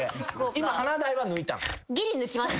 今華大は抜いたん？